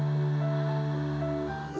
何？